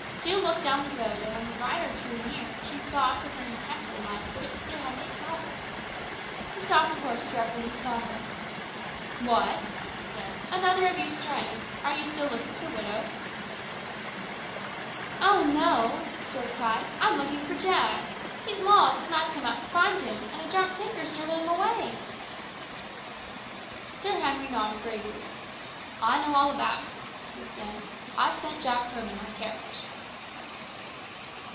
Jill looked down the road, and when the rider drew near, she saw to her intense delight that it was Sir Henry Talbot. He stopped his horse directly he saw her. "What!" he said; "another of you straying. Are you still looking for widows?" "Oh no," Jill cried; "I'm looking for Jack. He is lost, and I've come out to find him, and a drunk tinker has driven him away!" Sir Henry nodded gravely. "I know all about it," he said; "I've sent Jack home in my carriage."